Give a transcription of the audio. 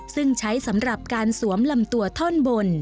ซึ่งใช้สำหรับการสวมลำตัวท่อนบน